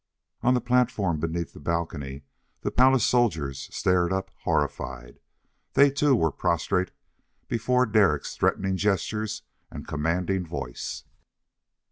On the platform beneath the balcony, the palace soldiers stared up, horrified. Then they too were prostrate before Derek's threatening gestures and commanding voice.